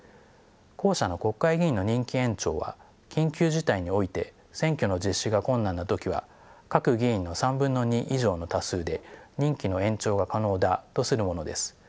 後者の国会議員の任期延長は緊急事態において選挙の実施が困難なときは各議員の３分の２以上の多数で任期の延長が可能だとするものです。